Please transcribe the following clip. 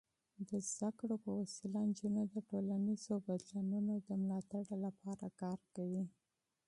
د تعلیم په واسطه، نجونې د ټولنیزو بدلونونو د ملاتړ لپاره کار کوي.